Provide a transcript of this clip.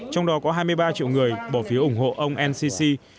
trong đó có hai mươi ba triệu người bỏ phiếu ủng hộ ông el sisi